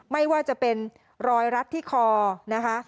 ไม่ว่าจะเป็นรอยรัดที่คอนะคะ